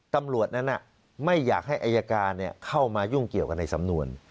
ตำรวจนั้นไม่อยากให้อายการเข้ามายุ่งเกี่ยวกันในสำนวน